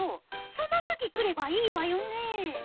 その時来ればいいわよね。